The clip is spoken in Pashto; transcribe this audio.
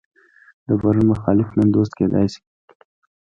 د پرون مخالف نن دوست کېدای شي.